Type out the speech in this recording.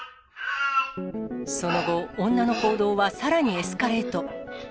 その後、女の行動はさらにエスカレート。